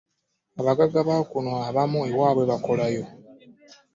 Abagagga ba kuno abamu ewaabwe bakolayo.